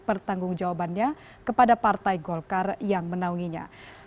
pertanggung jawabannya kepada partai golkar yang menaunginya